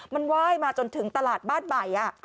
มันไหว้มาจนถึงตลาดบ้านใหม่